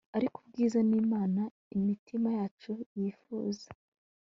Ariko ubwiza ni Imana imitima yacu yifuza